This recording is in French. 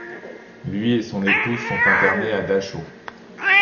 Lui et son épouse sont internés à Dachau.